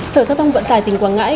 sở giao thông vận tài tỉnh quảng ngãi